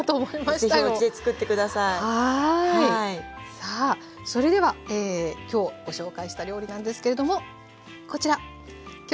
さあそれではきょうご紹介した料理なんですけれどもこちら「きょうの料理」